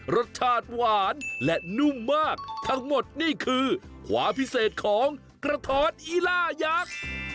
รสชาติหวานและนุ่มมากทั้งหมดนี่คือความพิเศษของกระท้อนอีล่ายักษ์